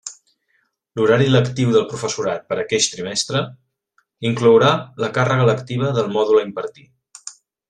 L'horari lectiu del professorat, per a aqueix trimestre, inclourà la càrrega lectiva del mòdul a impartir.